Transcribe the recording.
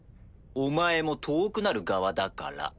お前も遠くなる側だから。